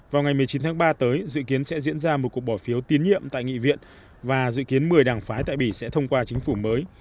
vào ngày một mươi chín tháng ba tới dự kiến sẽ diễn ra một cuộc bỏ phiếu tiến nhiệm tại nghị viện và dự kiến một mươi đảng phái tại bỉ sẽ thông qua chính phủ mới